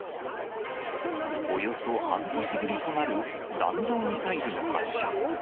およそ半年ぶりとなる弾道ミサイルの発射。